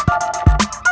kau mau kemana